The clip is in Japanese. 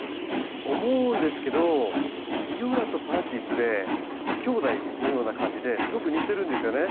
思うんですけどビオラとパンジーってちょっときょうだいのような感じですごく似てるんですよね。